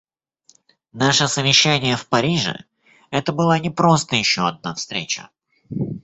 Наше совещание в Париже − это была не просто еще одна встреча.